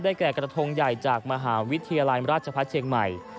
แก่กระทงใหญ่จากมหาวิทยาลัยราชพัฒน์เชียงใหม่